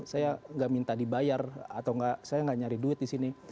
saya nggak minta dibayar atau saya nggak nyari duit di sini